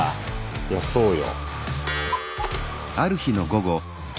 いやそうよ。